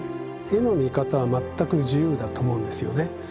絵の見方は全く自由だと思うんですよね。